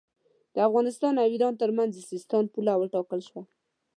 د افغانستان او ایران ترمنځ د سیستان پوله وټاکل شوه.